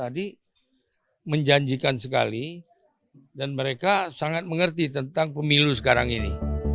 jadi saya menjanjikan sekali dan mereka sangat mengerti tentang pemilu sekarang ini